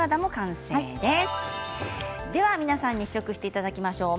では皆さんに試食していただきましょう。